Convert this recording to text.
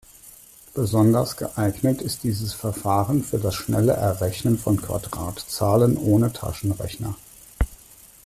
Besonders geeignet ist dieses Verfahren für das schnelle Errechnen von Quadratzahlen ohne Taschenrechner.